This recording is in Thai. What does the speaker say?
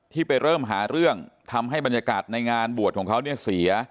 ไปเริ่มหาเรื่องทำให้บรรยากาศในงานบวชของเขาเนี่ยเสีย